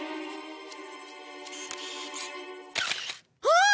あっ！